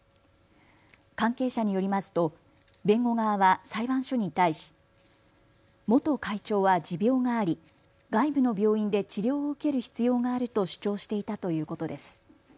関係者によりますと弁護側は裁判所に対し元会長は持病があり外部の病院で治療を受ける必要があると主張していたということです。